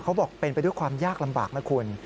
เขาบอกเป็นไปด้วยความยากลำบากนะคุณ